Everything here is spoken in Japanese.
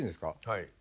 はい。